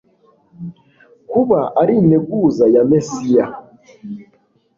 kuba ari integuza yaMesiya.